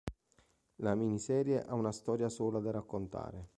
La miniserie ha una storia sola da raccontare.